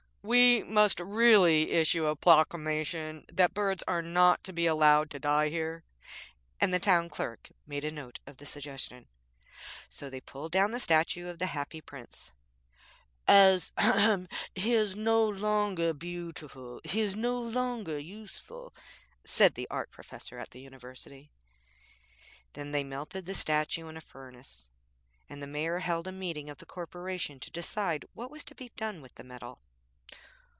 'We must really issue a proclamation that birds are not to be allowed to die here.' And the Town Clerk made a note of the suggestion. So they pulled down the statue of the Happy Prince. 'As he is no longer beautiful he is no longer useful,' said the Art Professor at the University. Then they melted the statue in a furnace, and the Mayor held a meeting of the Corporation to decide what was to be done with the metal.